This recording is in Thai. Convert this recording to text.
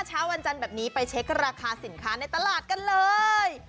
เช้าวันจันทร์แบบนี้ไปเช็คราคาสินค้าในตลาดกันเลย